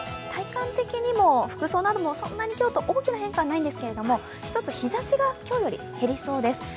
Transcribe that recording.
体感的にも服装などもそんなに今日と大きな変化はないんですけど、一つ、日ざしが今日より減りそうです。